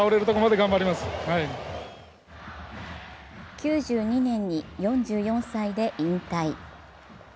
９２年に４４歳で引退。